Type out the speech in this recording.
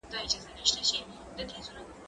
زه اوږده وخت مينه څرګندوم وم!.